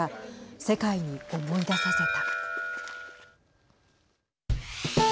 世界に思い出させた。